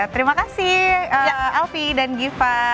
terima kasih alfie dan giva